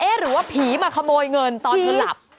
เอ๊ะหรือว่าผีมาขโมยเงินตอนคุณหลับ